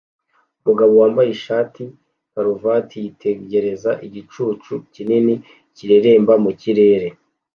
Umugabo wambaye ishati-karuvati yitegereza igicucu kinini kireremba mu kirere